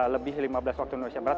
lebih lima belas waktu indonesia barat